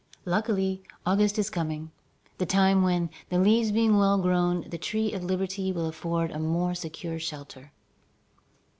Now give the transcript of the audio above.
Luckily, August is coming, the time when, the leaves being well grown, the tree of liberty will afford a more secure shelter."